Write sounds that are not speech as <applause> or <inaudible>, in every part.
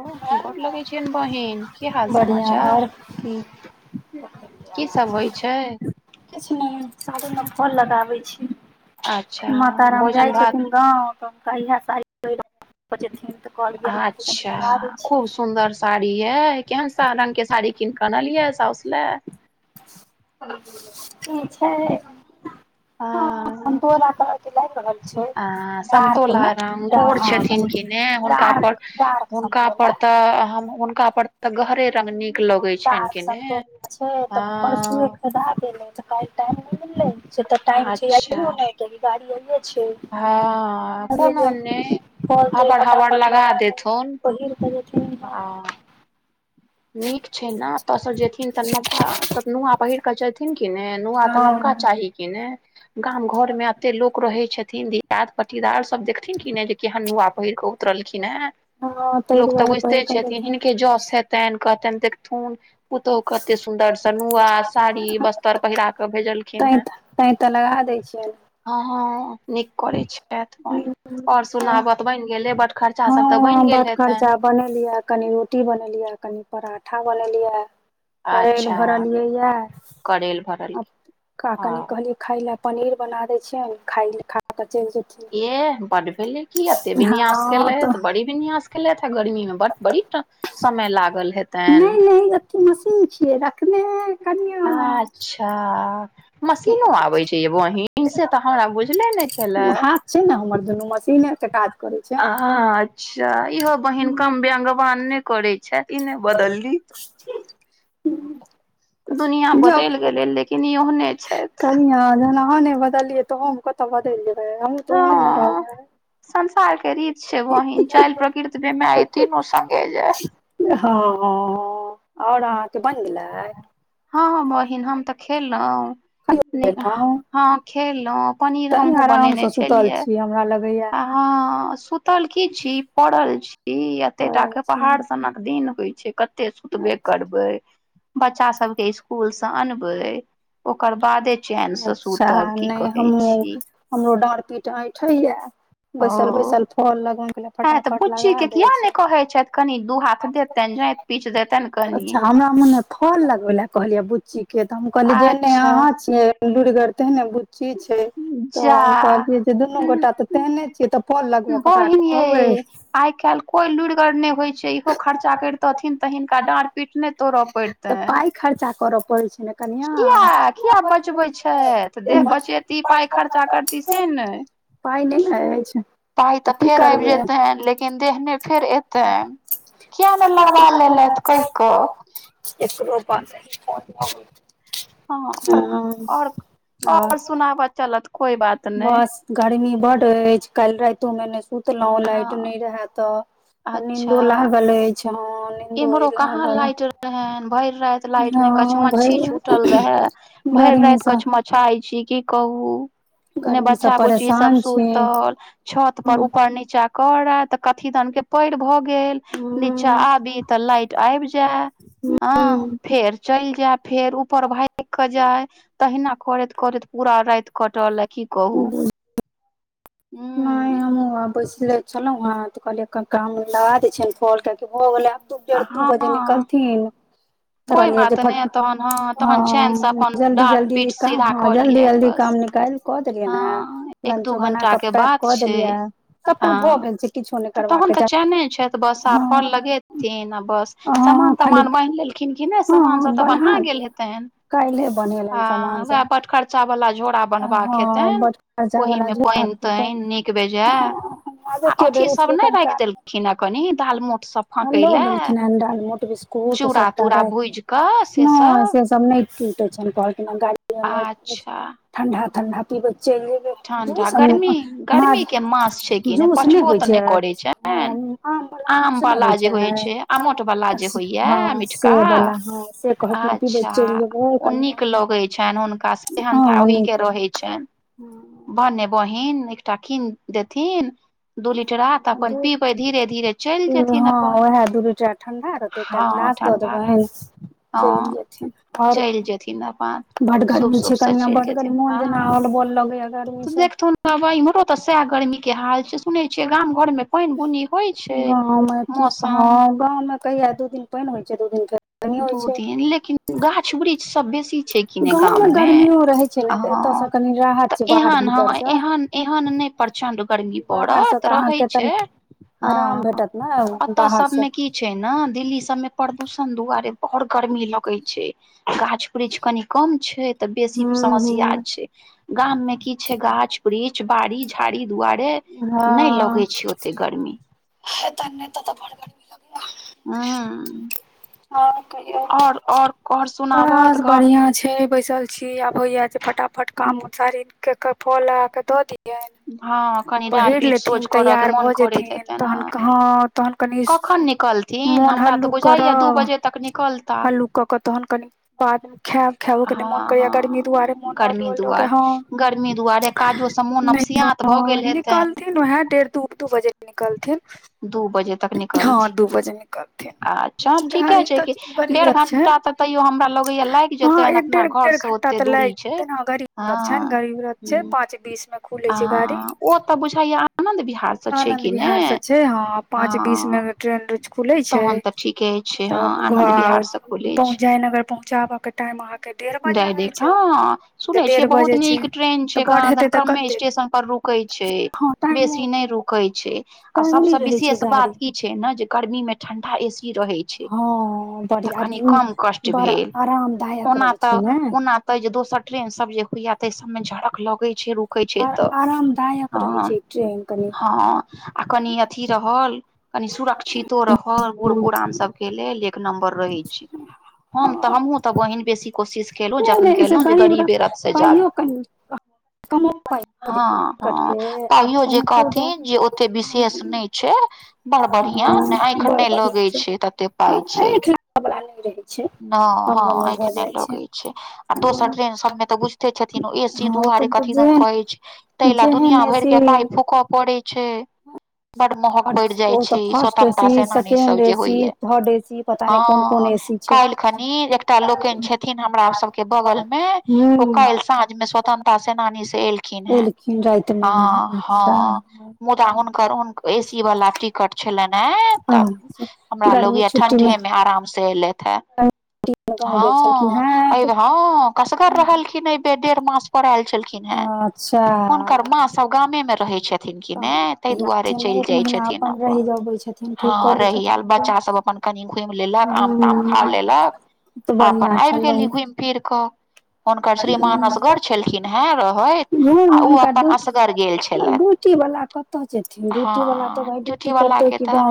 ओ गोर लगै छीयैन बहिन की हाल समाचार ठीक किछु नहि साड़ी मे फौल लगाबै छी माता राम जाइ छथिन गाँव तऽ हुनका इहाए साड़ी <unintelligible> अच्छा खूब सुन्दर साड़ी येए केहन रंगके ऐ साड़ी कीन कऽ आनलियै साउस लै छै रें हँअ <unintelligible> ऐं समतोला राम गोर छथिन कि ने हुनका पर हुनका पर तऽ हम हुनका पर तऽ गहरे रंग नीक लगैय छैन कि ने छै त परसुए खरदै गेले तऽ काइल टाइम नै मिलले से तऽ टाइम छै <unintelligible> किया की गाड़ी आए छै <unintelligible> पहिर कऽ जेथिन इहै नीक छै ने ओतऽ सब जेथिन तऽ नबा नुआ पहिर केँ जेथिन की ने नुआ तऽ नबका चाही की ने गाम घर में एते लोक रहे छथिन दिआद पटीदार सब देखथिन की ने जे केहन नुआ पहिर कऽ उतर लखिन हे लोक तऽ बुझिते छथिन हिनके जोस हैत तेन कहतेन देखथुन पुतोह केते सुंन्दर से नुआ साड़ी बस्तर पहिरा कऽ भेजल तैंथ तैं तऽ लगा दै छियैन <unintelligible> नीक करैत छैथ बहिन ओर सुनाव त बनि गेलेन बट खर्चा सब तऽ बनि गेल हेतैन बनेलियै कनि रोटी बनेलियै कनि पराठा बनेलियै है करैएल भरलियै या <inaudible> आ का कनि कहलियै खाय लए पनीर बना दै छियैन खाइ लए खा कऽ चैल जेै एह बड भेले की एते विन्यास केले तऽ बड़ी विन्यास खेलेथ गर्मी मे ब बड़ी समय लागल हेतेन की मशीन छियै रखने अच्छा मशीनो आबे छै य बोहीन से तऽ हमरा बुझले ने छलै छै ने हमर दुनु मिश <unintelligible> अच्छा इहो बहिन कम व्यंग पान नै करै छै ई नै बदलली दुनिया बदैल गेलै लेकिन कन्या जहन आहाँ नै बदलियै तऽ हम कत बदैल जेेबै हमहूँ तऽ ओहने न रहबै संसार केँ रीत छय बहिन चायल प्रकृत बेमाय ई तीनू संगे जे हँ हँ हँ आओर अहाँके बनि गेलाय हँ हँ बहिन हम तऽ खेलऊ नय हाँ खेलौं पनीर हमहुँ बनेने छलियै आ हँ सुतल की छी पड़ल छी एते टा के पहाड़ सनक दिन होइ छै क कते सुतबे करबै बच्चा सब के इस्कूल स अनबै ओकर बादे चैन स सुतब की कहै छी हमरो डाँर पीट ऐंठै या बैसल बैसल फल लगाओ नै के लैया हँ तऽ बुच्ची के किया नहि कहै छथि कनि दू हाथ देतनि जाइत पीच देतनि कनि मने फल लगब लए कहलियै बुच्ची के तऽ हम कहलियै जेहने अहाँ लुरगर तेहने बुच्ची छै तऽ कहलियै जे दुनू गोटा तऽ तेहने छियै तऽ फल लगब ककरा कहबै कोई लुरिगड़ नै होय छै इहो खर्चा करितथिन तऽ हिनका डाड़ पीट नै तोड़ पड़ितेन तऽ पाय खर्चा करऽ पड़ै छै न किया किया बचबै छै तऽ देह बचेती पाइ खर्चा करती से नै पाइ तऽ फेर आबि जेतेैन लेकिन देहनै फेर एतेैन किया नै लगबा लेलथि कहि कऽ एककरो पास <unintelligible> हँ आर बस गर्मी बर अछि काल्ह राइतो मे नै सुतलौं लाइट नै रहए तऽ त नीन्दो लागल अछि हँ नीन्दो अय लागल रहेन भरि राति लाइट नै कच मच्छी छूटल रहए भरि राति कछ मछ छाइ छी की कहू ने बच्चा बुच्ची सब सुतल छत पर उप नीचा करत तऽ कथीदन के पइर भऽ गेल गेल नीचा आबी तऽ लाइट आइब जेऽ ह फेर चैल जाय फेर ऊपर भाइग क जाय तहिना करैत करैत पूरा राति कटलए कहू उ नय हमहूँ आ बैसले छलौं हेँ तऽ कहलियै कका लगा दै छियनि फोल कियाकि भऽ गेलै आब तू केयर तू बजे निकलथिन त कहलियै हँ जल्दी जल्दी काम हँ जल्दी जल्दी काम निकाइल कऽ देलियैन हें लंचो बना कऽ पैक कऽ देलिया सबटा भऽ गेल छै किछो नै करबाक <unintelligible> ट्रेन आ बस सामान तमान बान्हि लेलखिन कि नै सामानसब तऽ बन्हा गेल हेतैन हँ उएह बट खर्चा वाला झोरा बन्हबाक हेतनि ओहिमे पइन तइन नीक बेजाय आ अथी सब नै राखि देलखिन हें कनी दालमोट सब हम ल गेलखिन हन डालमोट बिस्कुट सब <unintelligible> नइ से सब नइ छुटै <unintelligible> कहखिन गाड़ीये मे कुछ ठंडा ठंडा पिबैत चैल जेबे जूस माज जूस नै होइ छैय नै होइ छै हँ से बला हँ से कह अच्छा ओ नीक लगै छैन हुनका सेहनता ओहि के रहै छैन हूँ भन्ने बहिन एकटा कीन देथिन दू लीटरा त अपन पीबै धीरे धीरे चैल जेथिन अपन हँ ठण्डा रहे हँ चैल जेथिन अपन बड गर्मी छै कनिया बड गरमी मोन जेना हल बोल लगैया त देखथौन बहिन इमहरो तऽ सैह गर्मी के हाल छै सुनै छियै गाम घर मे पइन बुनी होइ छै मौसम गाँंव मे कहिया दु दिन पइन होय छै दु दिन के दू दिन लेकिन गाछ वृक्ष सब बेसी छय कि ने गाम मे ह तऽ एहन ह एहन एहन नै प्रचंड गर्मी पड़त रहैत छै आराम भेटत ने बाहर सँ छै न दिल्ली सबमे प्रदूषण दुआरे ओर गर्मी लगै छै गाछ वृक्ष कनि कम छै तऽ बेसी समस्या छै गाम में की छै गाछ वृक्ष बाड़ी झाड़ी दुआरे नय लगै छै ओते गर्मी <inaudible> <inaudible> बस बढ़िआ छै बैसल छी आब होइया जे फटाफट काम उ साड़ी के फोल लगाकऽ दऽ दियेन हँ कनि डार पीठ सोझ करऽ के मोन करैत हेतैन कखन निकल थिन हमरा तऽ बुझाइया दू बजे तक निकलता हँ हँ गर्मी दुआर गर्मी दुआरे काजो स मोन अप सियात भऽ गेल निकलथिन वएह डेढ़ दू दू बजे कऽ निकलथिन दु बजे तक निकलथि अच्छा ठीके छै डेढ़ घंटा त तैयो हमरा लगैया लागि जेतै अपना घर से ओते दूरी छै हँ छै पाँच बीस मे आ ओ तऽ बुझाइ यऽ आनंद बिहार आनन्द बिहार स छै हँ पाँच बीस मे ट्रेन रोज खुलै छै तब घर पहुँच जायनगर पहु जाबऽ के टाइम अहाँ के डायरेक्ट हँ सुन छियै बहुत नीक ट्रेन छै कहन कमे स्टेशन पर रुक कैय छै बेसी नय रुकै छै आ सबस विशेष बात की छै ने जे गर्मी मे ठंडा एसी रहै छै तऽ कनी कम कष्ट भेल ओना तऽ ओना तऽ जे दोसर ट्रेन सब जे होइए ताइ सबमे झड़क लगे छै रुखै छै तऽ हँ हँ आ कनि अथी रहल कनी सुरक्षितो रहल बुढ़ बुढ़ पुरान सबके लेल नम्बर रहै छैय हम तऽ हमु बेसी कोशिश केलो जे अपन केलो जे गरीब रथ से जाएब <inaudible> हँ हँ ताइयो जे कहथिन जे ओते विशेष नय छै बड़ बढ़िया ने एखन नय लगे छै तते पाय छैय हँ- हँ एखने लगै छै आ दोसर ट्रेन सबमे तऽ बुझते छथिन एसी दुआर कथी दन कहै छै ताइ लए दुनियाँ भरिक पाइ फूकय पड़ैत छै बड़ महक पैड़ जाइ छै स्वतंत्रता सेनानी सब जे होइया हँ काइल खानी एकटा लोकेन छथिन हमरा सबके बगल में ओ काल्ह साँझ मे स्वतंत्रता सेनानी से एल ऐलखीन हें हँ हँ मुदा हुनकर एसी वाला टी टिकट छलनि हे तब हमरा लगैया ठंडे मे आराम से ऐलथि हे गाँव गेल छलखिन हे अइब हँ कसगर रहलखिन अइ बेर डेढ़ मास पर आयल छलखिन हे हुनकर माँ सब गामे मे रहै छनि कि ने ताहि दुआरे चलि जाइ छथिन अपन हँ रहि एल बच्चा सब अपन कनि घुइम लेलक आम ताम खा लेलक आ अपन आबि गेली घूमि फिर कऽ हुनकर श्रीमान असगर छलखिन हे रहति आ ओ अपन असगर गेल छैलथि हँ ड्यूटी वला के तऽ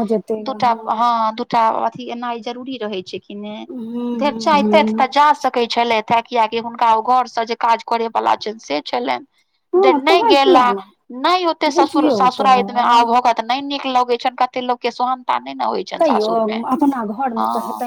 दूटा हँ दू टा ऐनाय जरूरी रहै छै किने चाहितथि तऽ जा सकति छलथि हे कियकि हुनका ओ घरसँ जे काज करे वला छनि से छलनि जे नय गेला नय ओते ससुर ससुराइर मे आब भगत नय नीक लगै छै कते लोक के सोहनता नय न होय छै छनि सासुर मे हँ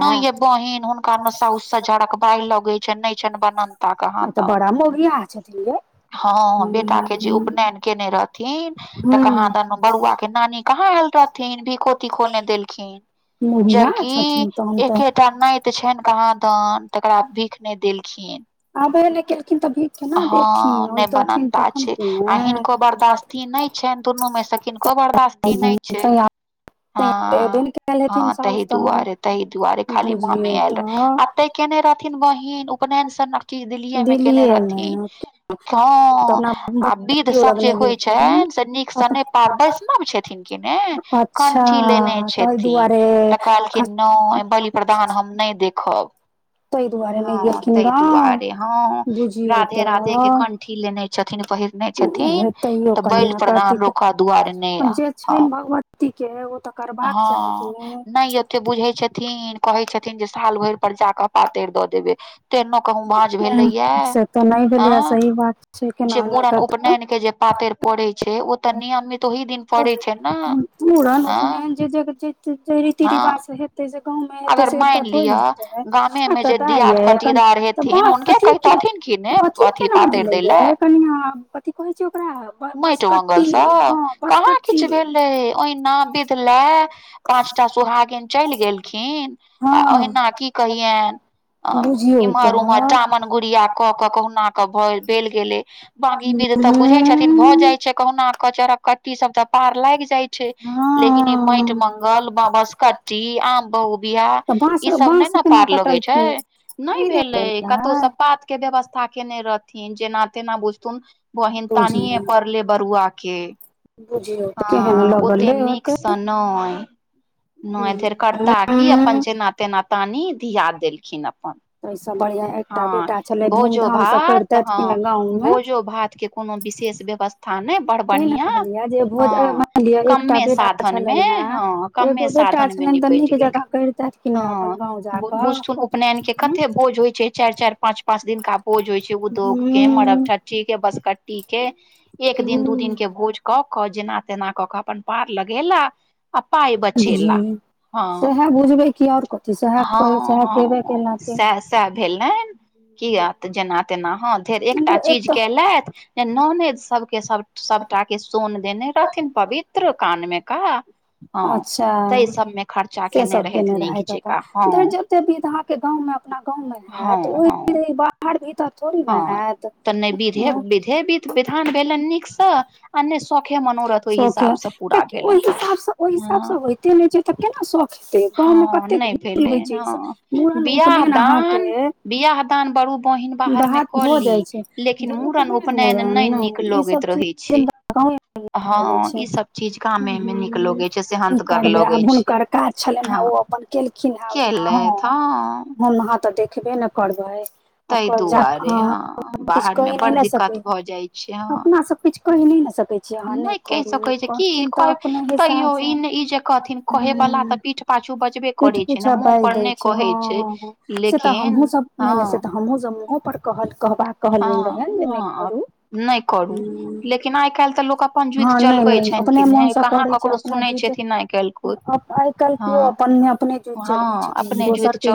नय यै बहिन हुनका मे साउस सा झड़क बाइह लगै छनि नय छनि बनब ओ तऽ बड़ा मौगीआह छथिन यै हँ बेटा के जे उपनयन केने रहथिन तऽ कहाँ दनु बरुआ के नानी कहाँ एल थिन भीखो तीखो नय देलखिन जबकि एकेटा नति तऽ छनि कहाँ दन तकरा भिख नय देलखिन हँ नय बननता छै आ हिनको बरदास ती नय छनि दुनू मे से किनको बर्दास्ती नय छै हँ हँ तही दुआरे तही दुआरे खाली मन केने रहथिन बहिन उपनयन सनक कि दिल्लीये मे केने रहथिन ह आ विध सब जे होइ छनि से नीक स नय पार वैष्णव छथिन कि ने कंठी लेने छथिन त कहलखिन नय बलि प्रदान हम नय देखब हँ तै दुआरे हँ राधे राधे के कंठी लेने छथिन पहिरने छथिन तऽ बलि प्रदान रूका दुआरे नय आ तीके ओ तऽ करबाक चाही कि ने से बुझै छथिन कहै छथिन जे साल भरि पर जाक पातरि द देबै तेहनो कहूँ भांज भेलैया आँ जे मूड़न उपनयन के जे पातरि पड़ै छै ओ तऽ नियमित ओहि दिन मूड़न उपनयन जे जे <unintelligible> रीति रिवाज से हे जै से गांव मे हेतै से एतऽ थोड़ी न हेतय त दाय यै <unintelligible> किया अथी केना भेलै यै कनिया कथी कहै छै ओकरा मटि मंगल सभ कहाँ किछ भेलय ओहिना विध लेऽ पांचटा सोहागिन चलि गेलखिन आ ओहिना की कहियैन अ इम्हर उम्हर टामन गुड़िया कऽ क कहुना कऽ भेल गेलै बांकी विध तऽ बुझै छथिन भऽ जाइ छै कहुना कऽ चरकट्टी सब तऽ पार लागि जाइ छै लेकिन ई माटि मंगल बसकट्टी आम महु बियाह ई सभ नय न पार लगै छै नय भेलै कतौ स पात के व्यवस्था केने रहथिन जेना तेना बुझथुन तानिये पड़ले बरुआ के बुझियौ ह ओते नीक से नहि नहि फेर कर्ता की अपन जेना तेना तानी दिया देलखिन अपन तऽ सँ बढ़िआ हँ भोजो भात हँ भोजो भात के कोनो विशेष व्यवस्था था ने बड़ बढ़िया हँ कमे साधन मे हँ कमे साधन मे निपेट गेलखिन हँ बुझथुन उपनयन के कते भोज होइ छै चारि चारि पांच पांच दिनका भोज होइ छै उदोग के मरब ठट्ठी के बसकट्टी के एक दिन दू दिन के भोज कऽ कऽ जेना तेना कऽ कऽ अपन पार लगेला आ पाइ बचेेला हँ हँ हँ सएह से भेलय <unintelligible> जेना तेना हं एकटा चीज केलथि ननैद सभके सभ सभटा के सोन देने रहथिन पवित्र कानमे का हँ ताहि सभमे खर्चा केने रहथि निक जकाँ हँ एते बिगहा के गाँवमे अपना गाँवमे होयत ओहिलेल बाहर भीतरऽ थोड़े ने हैत विधान भेलनि नीकसँ आ सौखे मनोरथ ओहि हिसाबसँ पूरा भेलनि हं केनै छै त केना गाँवमे कते <unintelligible> छै मूड़न उपनयन अहाँके बिआह दान बरू बहिन बाहर मे कऽ ली लेकिन मूड़न उपनयन नहि नीक लगैत रहे छै हँ ई सभ चीज गामे मे निक लगे छै सेहंतगर लगे छै काज छलनि हन ओ अपन केलखिन हन हम अहां तऽ देखबे ने करबै ताहि दुआरे हं बाहर मे बड़ दिक्कत भऽ जाइ छै हँ नहि कै सकै छै कि तैयो ई न ई जे कहथिन कहे बला तऽ पीठ पाछू बजबे करे छै ने मुँह पर नहि कहे छै लेकिन हँ हमहुँ सभ मुहो पर कहल कहबा कहलियनि रहे जे नहि करू नहि करू लेकिन आइ काल्हि तऽ लोक अपन जुइत चलबै छनि कि नहि कहाँ ककरो सुनै छथिन आइ काल्हि खुद हँ हँ अपने जुइत च